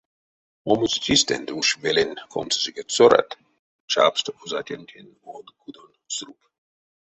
Омбоце чистэнть уш велень комсешка цёрат чапсть озатянтень од кудонь сруб.